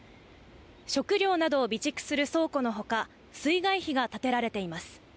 食料などを備蓄する倉庫の他、水害碑が建てられています。